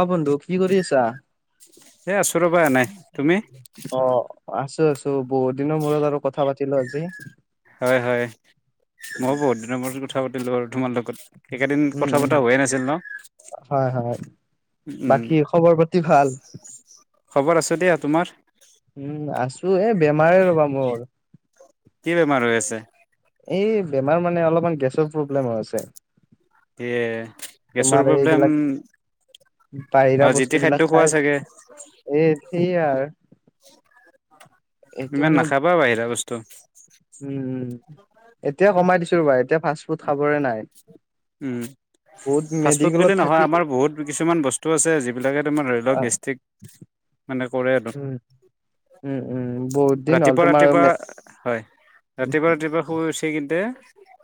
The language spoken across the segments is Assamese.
অ' বন্ধু কি কৰি আছা! এ আছো ৰ'বা নাই তুমি অঁ আছোঁ, আছোঁ! বহুত দিনৰ মূৰত আৰু কথা পাতিলোঁ আজি। হয়ঁ হয়ঁ ময়ো বহুত দিনৰ মুৰত কথা পাতিলোঁ আৰু তোমাৰ লগত। এইকেদিন কথা পতা হৈৱাই নাছিল ন। হয়ঁ হয়ঁ! উম বাকী খবৰ পাতি ভাল? খবৰ আছো দিয়া তোমাৰ? উমঁ আছো এ বেমাৰে ৰবা মোৰ। কি বেমাৰ হৈ আছে। এই বেমাৰ মানে অলপমান গেছৰ প্ৰব্লেম হৈ আছে। এ তোমাৰ গেছৰ প্ৰব্লেম- এইবিলাক অঁ যি'টি খাদ্য খোৱা চাগে। এই ঠেইয়ে আৰ ইমান নাখাবা বাহিৰা বস্তু। উমঁ এতিয়া কমাই দিছো ৰ'বা এতিয়া ফাষ্ট ফুড খাবৰে নাই। উমঁ বহুত ফাষ্ট ফুড বুলি মেডিকেলত থাকি নহয় আমাৰ বহুত কিছুমান বস্তু আছে যিবিলাকে তোমাৰ - ধৰ, আ গেষ্ট্ৰিক মানে কৰে আৰু। উম উম উম বহুত দিন হ'ল ৰাতিপুৱা, তোমাৰ ৰাতিপুৱা মে হয়! ৰাতিপুৱা, ৰাতিপুৱা শুই উঠি কিন্তে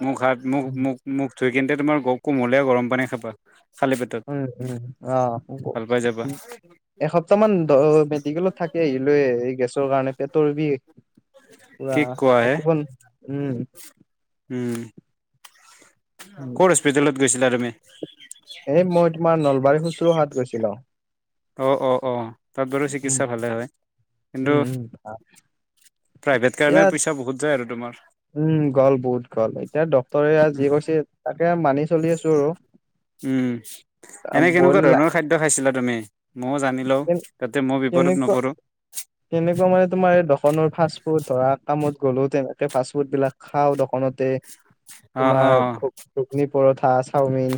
মুখ হাত মুখ, উম মুখ, মুখ ধুই। কিন্তু তোমাৰ গ কুমলীয়া গৰম পানী খাবা! খালী পেটত উমঁ উমঁ ভাল অঁ পাই যাবা শুৱ। এসপ্তাহ মান মেডিকেলত থাকি আহিলে এই গেছৰ কাৰণে পেটৰ বিষ। পুৰা কি কোৱা থাকিব ন উমঁ। উমঁ! উম কৰ হস্পিতেলত গৈছিলা তুমি? এ মই তোমাৰ নলবাৰী শুশ্ৰূষাত গৈছিলো। অঁ অঁ অঁ তাত বাৰু চিকিৎসা ভালে হয় কিন্তু - তাপ- প্ৰাইভেট কাৰণে পইচা বহুত যায় আৰু তোমাৰ। উমঁ গ'ল বহুত গ'ল এতিয়া ডক্তৰে আৰ যি কৈছে তাকে মানি চলি- আছো আৰু উমঁ এনে বইল কেনেকুৱা ধৰণৰ- খাদ্য খাইছিলা তুমি ময়ো জানি লওঁ তাতে মোয়ো বিপদত কেনেকুৱা নপৰোঁ। কেনেকুৱা মানে তোমাৰ এই দকনৰ ফাষ্টফুড ধৰা কামত গ'লো তেনে- ফাষ্ট ফুড বিলাক খাওঁ দোকানতে অ অ তোমাৰ খুব- ঘুগনি পৰঠা চাওমিন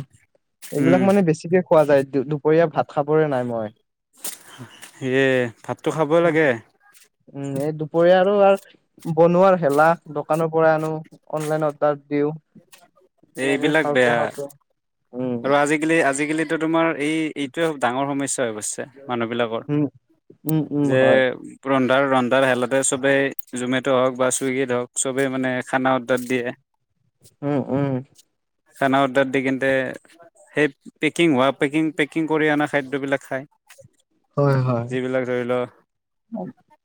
উম এইবিলাক মানে বেছিকে- খোৱা যায় দু - দুপৰীয়া ভাত খাবৰে নাই মই। সিয়ে থাট- উমঁ উমঁ এই দুপৰীয়া আৰু আৰ- বনোৱাৰ হেলা দোকানৰ পৰা আনো অনলাইন অৰ্ডাৰ দিওঁ। সেনেকে এইবিলাক খাওঁতে বেয়া খাওঁতে। উম, আৰু আজিকালি আজিকালিতো তোমাৰ এই এইটোয়ে খুব ডাঙৰ সমস্যা হৈ গৈছে মানুহ বিলাকৰ। উম, উম, পৰ উম, যে হয় ৰন্ধাৰ ৰন্ধাৰ হেলাতে চবেই জমেট' হওঁক বা চুইগিত হওঁক চবেই মানে খানা অৰ্ডাৰ দিয়ে। উমঁ! খানা অৰ্ডাৰ দি কিন্তে- সেই পেকিং হোৱা পেকিং পেকিং কৰি অনা খাদ্যবলাক খায়। হয়, হয়। যিবিলাক ধৰি লও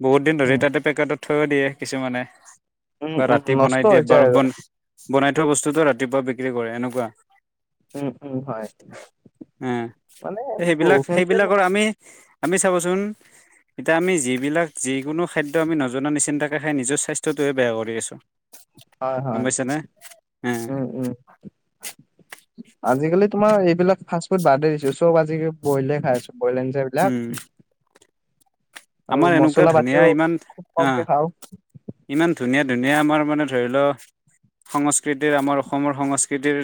বহুত দিন ধৰি উম, তাতে পেকেটত থৈও দিয়ে কিছুমানে, উম, বা উম, ৰাতি নষ্ট বনাই দিয়ে হৈ যায় বাৰ আৰু বন। বনাই থোৱা বস্তুটো ৰাতিপুৱা বিক্ৰী কৰে এনেকুৱা। উম উম হয়। উম মানে বহু সেইবিলাক, খিনিতে সেইবিলাকৰ আমি আমি চাবচোন এতিয়া আমি যিবিলাক যিকোনো খাদ্য আমি নজনা নিচিন্তাকে খাই নিজৰ স্বাস্থ্যটোহে বেয়া কৰি আছো। হয়, গম হয় পাইছানে উম, উম। আজিকালি তোমাৰ এইবিলাক ফাষ্টফুড বাদেই দিছো, চব আজিকালি ব্ৰইলে খাই আছো ব্ৰই উম, সেইবিলাক। আমাৰ এনেকুৱা ধুনীয়া ইমান খুব আ কমকে খাওঁ ইমান ধুনীয়া, ধুনীয়া মই মানে ধৰি লও সংস্কৃতিৰ আমাৰ অসমৰ সংস্কৃতিৰ,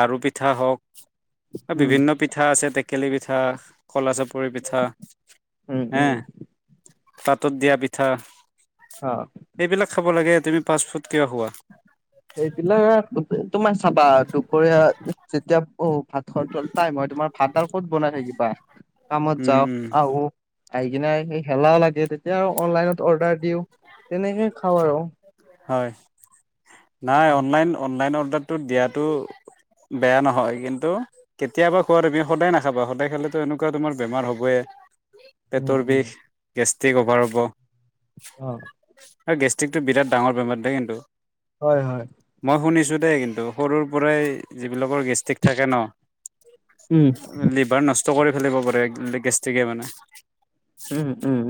লাৰু পিঠা হওক উম, বিভিন্ন পিঠা আছে টেকেলি পিঠা, কলা চাপ ৰি পিঠা উম, হে উম, তাতত দিয়া পিঠা। অ। সেইবিলাক খাব লাগে তুমি ফাষ্টফুড কিবা খোৱা? সেইবিলাক তোমাৰ চাবা দুপৰীয়া যেতিয়া ভাত টাইম হয় তোমাৰ ভাত আৰু ক'ত বনাই থাকিবা কামত উম যাও উম আহো। আহি কিনে হেলাহ লাগে তেতিয়া আৰু অনলাইনত অৰ্ডাৰ দিওঁ তেনেকে খাওঁ আৰু। হয় নাই অনলাইন অনলাইন অৰ্ডাৰটো দিয়টো বেয়া নহয় কিন্তু কেতিয়াবা খোৱা তুমি সদায় নাখাবা, সদায় খালেতো এনেকুৱা তোৰেমাৰ হ'বয়ে। উম পেটৰ উম বিষ গেষ্ট্ৰিক অভাৰ হ'ব। অ। আৰু গেষ্ট্ৰিকটো বিৰাট ডাঙৰ বেমাৰ দেই কিন্তু। হয় হয়। মই শুনিছো দেই কিন্তু সৰুৰ পৰাই যিবিলাকৰ গেচ ঠিক থাকে ন উম লিভাৰ নষ্ট কৰি ফেলিব পাৰে, গেষ্ট্ৰিকে মানে। উম উম।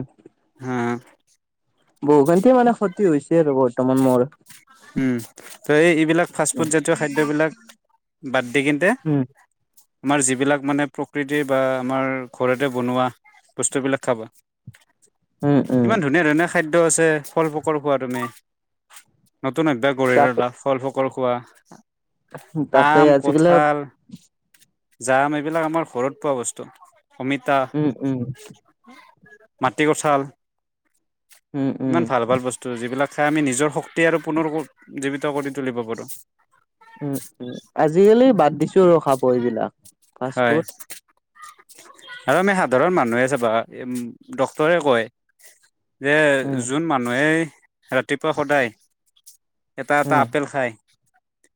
হম। বহুখানতে মানে ক্ষতি হৈছে আৰু বৰ্তমান মোৰ। উম ত এই এইবিলাক উম ফাষ্টফুডজাতীয় খাদ্যবিলাক বাদ দি কিন্তে। উম আমাৰ যিবিলাক মানে প্ৰকৃতি বা আমাৰ ঘৰতে বনোৱা বস্তুবিলাক খাবা। [inaudible] উম ইমান ধুনীয়া ধুনীয়া খাদ্য আছে, ফলবোকৰ খোৱা তুমি। নতুন একবাৰ গঢ়ি তাকে ললা, ফলবোকৰ খোৱা তাকে আম, আজিকালি কঠাল। জাম এইবিলাক আমাৰ ঘৰত পোৱা বস্তু। অমিতা উম উম মাটি কঠাল, উম উম ইমান ভাল ভাল বস্তু ত' যিবিলাক খাই আমি নিজৰ শক্তি আৰু পুনৰ জীৱিত কৰি তুলিব পাৰো। উম উম, আজিকালি বাদ দিছো ৰ খাব এইবিলাক। ফাষ্ট খায় ফুড আৰু আমি সাধাৰণ মানুহে চাবা ডক্তৰে কয় যে উম যোন মানুহে ৰাতিপুৱা সদায় এটা এটা উম আপেল খাই,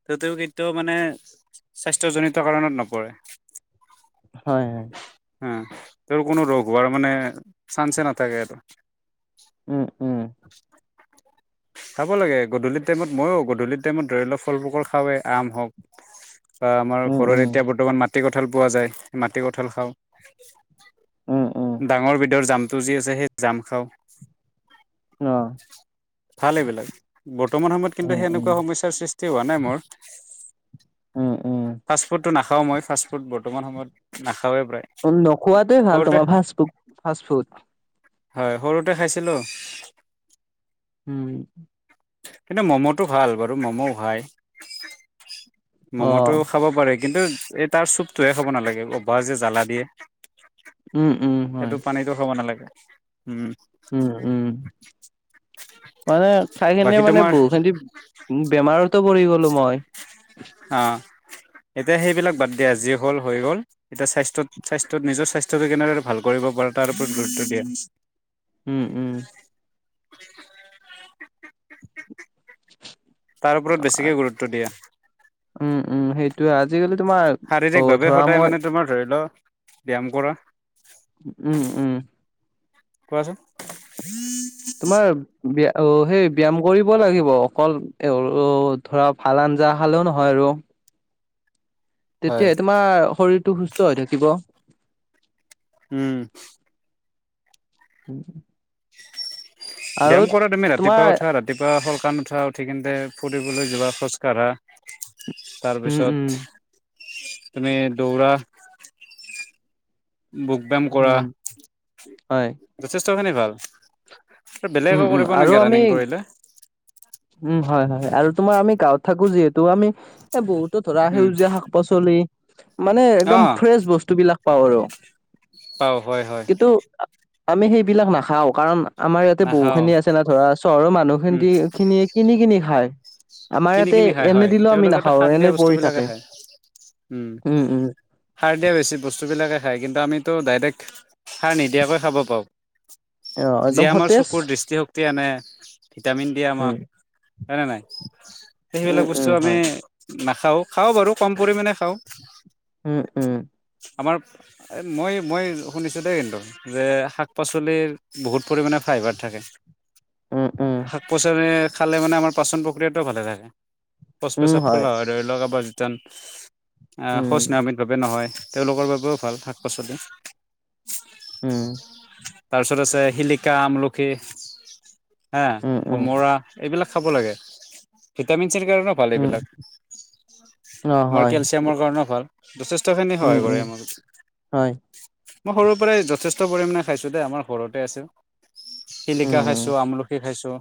ততেও কিন্তু মানে স্বাস্থ্যজনিত কাৰণত নপ কৰে। হয় হয়। হ, তেওঁৰ কোনো ৰোগ হোৱাৰ মানে চান্সে নাথাকে এটো। উম উম। চাব লাগে, গধূলি টাইমত মইয়ো, গধূলিৰ টাইমত ধৰি লওক ফল ফুকল খাৱেই আম হওক বা আমাৰ ঘৰত এতিয়া বৰ্তমান মাটি কঁঠাল পোৱা যায়, মাটি কঁঠাল খাওঁ। ডাঙৰ বিধৰ জামটো যি আছে সেই জাম খাও। অ। ভাল এইবিলাক, বৰ্তমান সময়ত কিন্তু উম সেই এনেকুৱা সমস্যাৰ সৃষ্টি হোৱা নাই মোৰ। উম উম। ফাষ্টফুডটো নাখাওঁ মই, ফাষ্টফুড বৰ্তমান সময়ত নাখাৱেই প্ৰায়। উম নোখোৱাটোৱে ভাল সৰুতে তোমাৰ ফাচ ফু ফাষ্ট ফুড। হয় সৰুতে খাইছিলোঁ। উম। কিন্তু ম'ম'টো ভাল বাৰু, ম'ম'ও খাই। অ ম'ম'টো খাব পাৰে কিন্তু এই তাৰ চুপটোহে খাব নালাগে অভাৰ যে জ্বালা দিয়ে। উম উম হয়। [unintelligible] নালাগে উম। উম উম মানে খাইখিনি বাকী মানে তোমাৰ বহুখিনি ওম বেমাৰতো পৰি গ'লো মই। অ এতিয়া সেইবিলাক বাদ দিয়া যি হ'ল হৈ গল। এতিয়া স্বাস্থ্যত - স্বাস্থ্যত নিজৰ স্বাস্থ্যটো কেনেদৰে ভাল কৰিব পাৰে তাৰ ওপৰত গুৰুত্ব দিয়ে। উম উম। তাৰ ওপৰত বেছিকে আ- গুৰুত্ব দিয়া। উম উম সেইটোৱে আজিকালি তোমাৰ শাৰীৰিক অ ভাৱে ধৰা সদায় মানে মই তোমাৰ ধৰি ল ব্যায়াম কৰা। উম উম। কোৱাচোন? তোমাৰ ব্যা অ সেই ব্যায়াম কৰিব লাগিব, অকল তে সৰু ধৰা ভাল আঞ্জা খালেও নহয় আৰু। হয় তেতিয়াহে তোমাৰ শৰীৰটো সুস্থ হৈ থাকিব। উম। উম। আৰু ব্যায়াম কৰা তুমি ৰাতিপুৱা তোমাৰ উঠা ৰা তিপুৱা সোনকান উঠা, উঠি কিনতে ফুৰিবলৈ যোৱা, খোজকাঢ়া উম উম তাৰপিছত তুমি দৌৰা বুক ব্যায়াম কৰা, উম হয় যথেষ্টখিনি ভাল। এ উম বেলেগকো উম কৰিবা আৰু নেকি আমি ৰানিং কৰিলে। উম হয় হয় আৰু তোমাৰ আমি গাঁৱত থাকো যিহেতু আমি এ বহুতো ধৰা উম সেউজীয়া শাক পাচলি মানে অ একদম ফ্ৰেচ বস্তুবিলাক পাওঁ আৰু। পাওঁ হয় হয়। কিন্তু আ আমি সেইবিলাক নাখাওঁ কাৰণ আমাৰ তে নাখাও বহুখিনি আছে না ধৰা, চহৰৰ উম মানুহখিনতি খিনিয়ে কিনি কিনি খায়। আমাৰ কিনি ইয়াতে কিনি খাই এনে হয় দিলেও আমি তেওঁলোকেতো নাখাওঁ সাৰ এনে দিয়া পৰি বস্তুবিলাকে থাকে, খায় উম উম। সাৰ দিয়া বেছি বস্তুবিলাকে খায় কিন্তু আমিতো ডাইৰেক্ট সাৰ নিদিয়াকৈ খাব অ পাৰোঁ। একদম যিয়ে আমাৰ সতেজ চকুৰ দৃষ্টিশক্তি আনে ভিটামিন দিয়ে উম আমাক হয়নে নাই উম সেইবিলাক বস্তু উম আমি হয় নাখাও খাও বাৰু কম পৰিমাণে খাও উম উম আমাৰ মই মই শুনিছো দেই কিন্তু যে শাক পাচলিৰ বহুত পৰিমাণে ফাইবাৰ থাকে উম উম শাক পাচলি খালে মানে আমাৰ পাচন প্ৰক্ৰিয়াটোও ভালে থাকে শৌচ পেচাব খোলা হয় ধৰি লওক আপোনাৰ যেতিয়া অহ উম শৌচ না আমি চবে নহয় তেওঁলোকৰ বাবেও ভাল শাক পাচলি উম তাৰপিছত আছে শিলিকা আমলখি হা উম উম কোমোৰা এইবিলাক খাব লাগে ভিটামিন চিটামিনো ভাল উম, এইবিলাক অ', তোমাৰ হয়, কেলচিয়ামৰ কাৰণেও ভাল। যথেষ্টখিনি উম, সহায় কৰে উম, আমাক। হয়, মই সৰুৰ পৰাই যথেষ্ট পৰিমণে খাইছো দেই আমাৰ ঘৰতে আছে উম, শিলিখা খাইছো উম, আমলখি খাইছো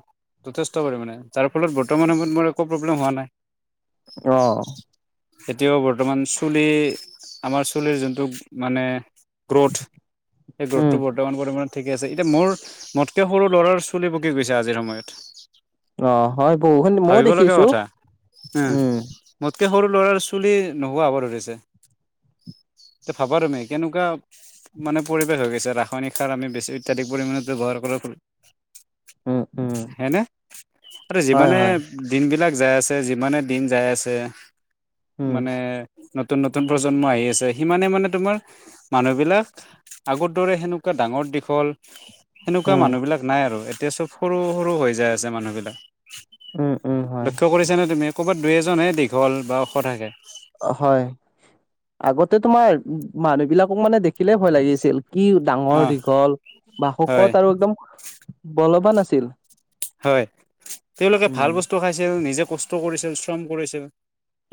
যথেষ্ট পৰিমণে যাৰ ফলত বৰ্তমান সময়ত মোৰ একো প্ৰব্লেম হোৱা নাই অ এতিয়াও বৰ্তমান চুলি আমাৰ চুলিৰ যোনটো মানে গ্ৰোথ সেই উম, গ্ৰোথটো ব ৰ্তমান পৰিমাণত ঠিকে আছে এতিয়া মোৰ মোতকে সৰু ল'ৰাৰো চুলি পকি গৈছে আজিৰ সময়ত অ হয় বহুখিনি মইও ভাবিব লগা দেখিছো কথা উম মোতকে সৰু ল'ৰাৰ চুলি নোহোৱা হ'ব ধৰিছে। এতিয়া ভাবা তুমি কেনেকোৱা মানে পৰিৱেশ হৈ গৈছে ৰাসায়নিক সাৰ আমি বেছি অত্যাধিক পৰিমাণত ব্যৱহাৰ কৰোতে উম, উম, হেনে আৰু হয়, যিমানে হয়, দিনবলাক যাই আছে যিমানে দিন যাই আছে উম, মানে নতুন নতুন প্ৰজন্ম আহি আছে সিমানে মানে তোমাৰ মানুহ বিলাক আগৰ দৰে সেনেকোৱা ডাঙৰ দীঘল সেনেকোৱা উম, মানুহবিলাক নাই আৰু এতিয়া চব সৰু সৰু হৈ যায় আছে মানুহবিলাক উম, উম, হয়, লক্ষ্য কৰিছা নে তুমি ক'বাত দুই এজনহে দীঘল বা ওখ থাকে হয় আগতে তোমাৰ মানুহ বিলাকক মানে দেখিলে ভয় লাগি আছিল কি অ ডাঙৰ দীঘল বা হয় শকত আৰু একদম বলবান আছিল। হয় তেওঁলোকে উম, ভাল বস্তু খাইছিল নিজে কষ্ট কৰিছিল শ্ৰম কৰিছিল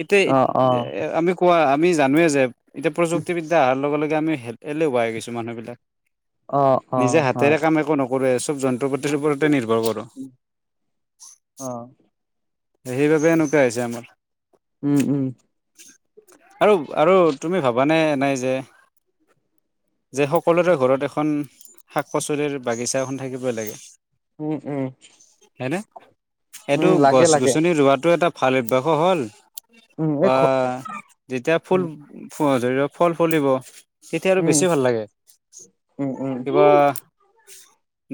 এতিয়া অ', অ', আমি কোৱা আমি জানোৱে যে এতিয়া প্ৰযুক্তিবি দ্যা অহাৰ লগে লগে আমি এলেহুৱা হৈ গৈছো মানুহ বিলাক অ', নিজে অ', হয়, হাতেৰে কাম একো ন কৰে, চব যন্ত্ৰ পাতিৰ ওপৰতে নিৰ্ভৰ কৰো। অ সেইবাবে এনেকোৱা হৈছে আমাৰ উম, উম, আৰু আৰু তুমি ভাবানে এনেই যে [inaudible] যে সকলোৰে ঘৰত এখন শাক পাচলিৰ বাগিচা এখন থাকিবই লাগে উম উম উম লাগে লাগে আনি ৰোৱাতো এটা ভাল অভ্যাসো হ'ল উম, এই বা খ যেতিয়া ফুল উম, ফ ধৰি লওক ফল ফুলিব তেতিয়া আৰু উম, বেছি ভাল লাগে উম, উম, কিবা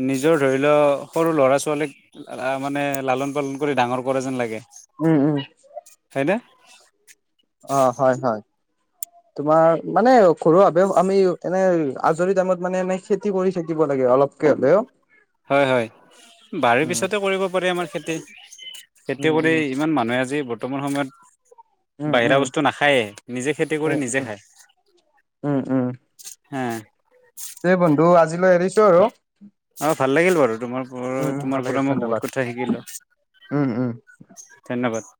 নিজৰ ধৰি লও সৰু ল'ৰা ছোৱালীক আ মানে লালন পালন কৰি ডাঙৰ কৰা যেন লাগে। উম উম হয়নে? অ', হয় হয়। তোমাৰ মানে ঘৰুৱাভাৱেও আমি এনে আজৰি টাইমত মানে এনে খেতি কৰি থাকিব লাগে অলপকে হ'লেও। [inaudible] হয় হয়, বাৰীৰ উম, পিছতে কৰিব পাৰি আমাৰ খেতি। উম, খেতিয়কৰি উম, ইমান মানুহে আজি বৰ্তমান সময়ত উম, বাহিৰা উম। বস্তু নাখায়েই, নিজে খেতি উম, কৰি নিজে উম, খায়। উম, হম এই বন্ধু আজিলৈ এৰিছো আৰু। অ', ভাল লাগিল বাৰু উম, তোমাৰ উম, ভাল তোমাৰ লাগে পৰা মই বহুত ধন্যবাদ কথা শিকিলো উম, উম। ধন্যবাদ